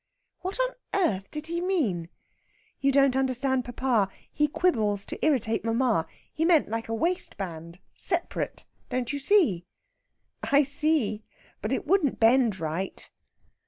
'" "What on earth did he mean?" "You don't understand papa. He quibbles to irritate mamma. He meant like a waistband separate don't you see?" "I see. But it wouldn't bend right."